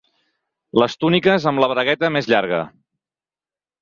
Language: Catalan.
Les túniques amb la bragueta més llarga.